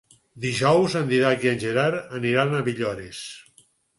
Dijous en Dídac i en Gerard aniran a Villores.